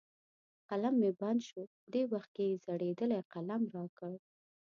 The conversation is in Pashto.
قلم مې بند شو، دې وخت کې یې زړېدلی قلم را کړ.